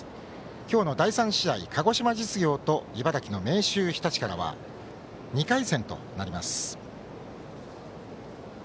今日の第３試合、鹿児島実業と茨城の明秀日立からは２回戦となります。